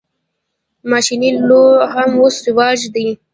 ماشیني لو هم اوس رواج دی.